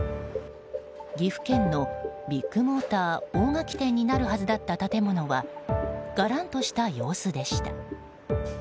岐阜県のビッグモーター大垣店になるはずだった建物はがらんとした様子でした。